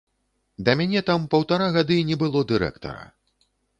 Да мяне там паўтара гады не было дырэктара.